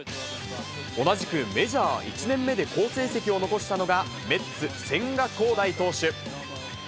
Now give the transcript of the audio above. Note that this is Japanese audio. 同じくメジャー１年目で好成績を残したのが、メッツ、千賀滉大投手。